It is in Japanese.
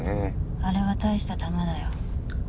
あれは大したタマだよ。